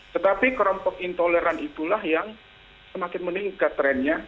tetapi kelompok intoleran itulah yang semakin meningkat trennya